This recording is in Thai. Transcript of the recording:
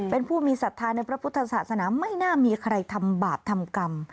เป็นผู้มีศรัทธาในพระพุทธศาสนาไม่น่ามีใครทำบาปทำกรรม